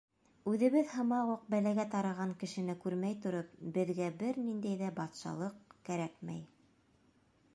Үҙебеҙ һымаҡ уҡ бәләгә тарыған кешене күрмәй тороп, беҙгә бер ниндәй ҙә батшалыҡ кәрәкмәй!